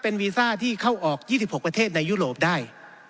เป็นวีซ่าที่เข้าออก๒๖ประเทศในยุโรปได้